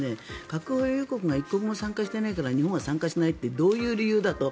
核保有国が１国も参加していないから日本は参加しないってどういう理由だと。